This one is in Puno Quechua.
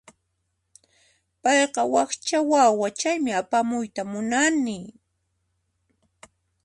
Payqa wakcha wawa, chaymi apamuyta munani.